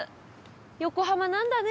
横浜なんだね